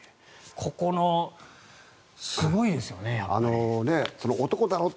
ここのすごいですよね、やっぱり。